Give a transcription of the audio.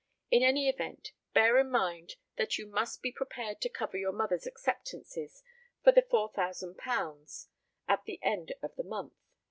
In any event, bear in mind that you must be prepared to cover your mother's acceptances for the £4,000, due at the end of the month."